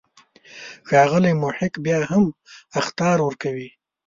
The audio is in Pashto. ښاغلی محق بیا هم اخطار ورکوي.